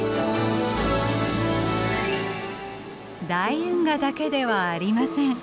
大運河だけではありません。